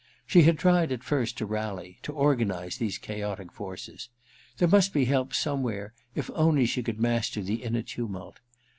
She had tried, at first, to rally, to organise these chaotic forces. There must be help somewhere, if only she could master the inner tumult.